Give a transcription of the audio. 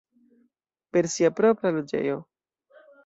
Per sia propra loĝejo.